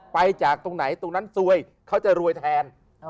ไปจากตรงไหนตรงนั้นซวยเขาจะรวยแทน